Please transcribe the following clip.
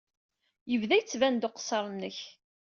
Yebda yettban-d uqeṣṣer-nnek.